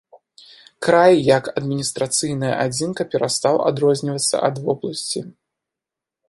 Край як адміністрацыйная адзінка перастаў адрознівацца ад вобласці.